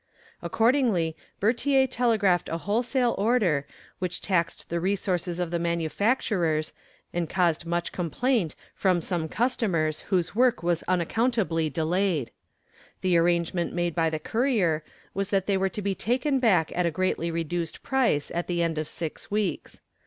Accordingly Bertier telegraphed a wholesale order, which taxed the resources of the manufacturers and caused much complaint from some customers whose work was unaccountably delayed. The arrangement made by the courier was that they were to be taken back at a greatly reduced price at the end of six weeks.